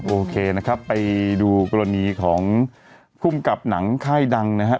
โอเคนะครับไปดูกรณีของผู้ช่วยภูมิกับหนังค่ายดังนะครับ